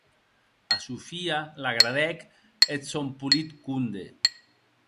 A Sofia l'agradèc eth sòn polit conde.